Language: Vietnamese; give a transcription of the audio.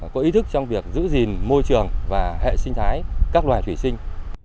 có ý thức trong việc giữ gìn môi trường và hệ sinh thái các loài thủy sinh